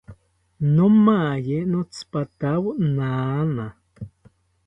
Nomaye notzipatawo nana